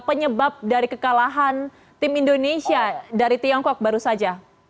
penyebab dari kekalahan tim indonesia dari tiongkok baru saja